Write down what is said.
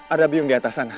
ada biung di atas sana